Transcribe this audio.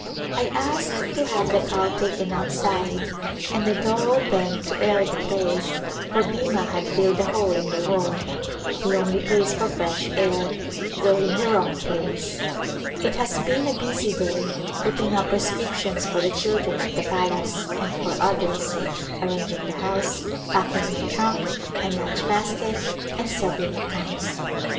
I asked to have the cow taken outside and the door opened to air the place for Bhima had filled the hole in the wall, the only place for fresh air, though in the wrong place. It has been a busv day, putting up prescrip tions for the children at the palace and for others, ar ranging the house, packing mv trunk and lunch basket and settling accounts.